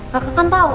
kakak kan tahu